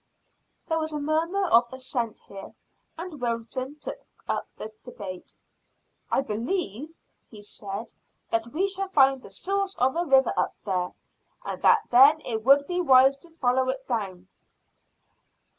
There was a murmur of assent here, and Wilton took up the debate. "I believe," he said, "that we shall find the source of a river up there, and that then it would be wise to follow it down."